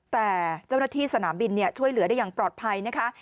แต่เจ้าหน้าที่สนามบินช่วยเหลือได้อย่างปลอดภัยนะคะ